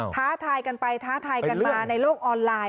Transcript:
ท้าทายกันไปท้าทายกันมาในโลกออนไลน์